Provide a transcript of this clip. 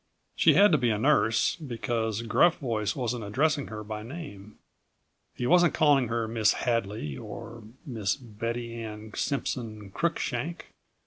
She had to be a nurse, because Gruff Voice wasn't addressing her by name. He wasn't calling her Miss Hadley or Miss Betty Anne Simpson Cruickshank.